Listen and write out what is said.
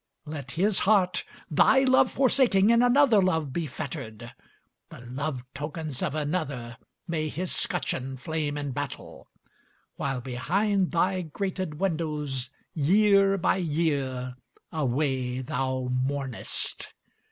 Let his heart, thy love forsaking, in another love be fettered; The love tokens of another may his scutcheon flame in battle, While behind thy grated windows year by year, away thou mournest!